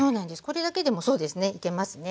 これだけでもそうですねいけますね。